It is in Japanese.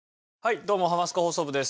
どうも『ハマスカ放送部』です。